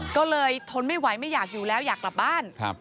ก็เลยทนไม่ไหวไม่อยากอยู่แล้วอยากกลับบ้าน